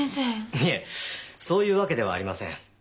いえそういうわけではありません。